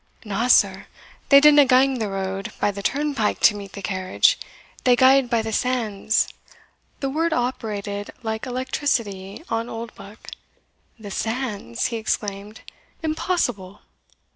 "Na, sir; they didna gang the road by the turnpike to meet the carriage, they gaed by the sands." The word operated like electricity on Oldbuck. "The sands!" he exclaimed; "impossible!"